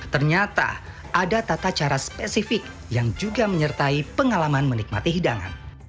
ternyata ada tata cara spesifik yang juga menyertai pengalaman menikmati hidangan